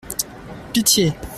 Pitié !